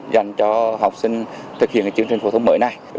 dành cho học sinh thực hiện chương trình phổ thông mới này